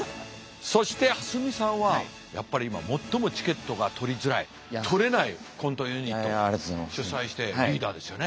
そして蓮見さんはやっぱり今最もチケットが取りづらい取れないコントユニットを主宰してリーダーですよね。